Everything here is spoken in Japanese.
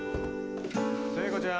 ・聖子ちゃん